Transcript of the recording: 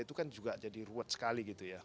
itu kan juga jadi ruwet sekali gitu ya